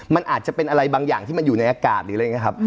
มันอาจจะเป็นอะไรบางอย่างที่มันอยู่ในอากาศ